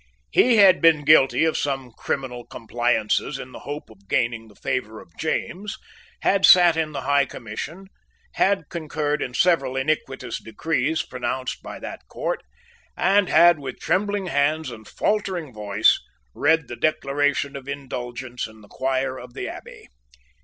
He had been guilty of some criminal compliances in the hope of gaining the favour of James, had sate in the High Commission, had concurred in several iniquitous decrees pronounced by that court, and had, with trembling hands and faltering voice, read the Declaration of Indulgence in the choir of the Abbey.